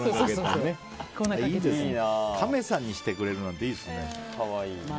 カメさんにしてくれるなんていいですね。